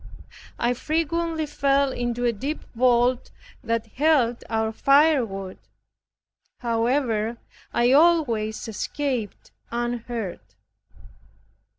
I frequently fell into a deep vault that held our firewood; however, I always escaped unhurt.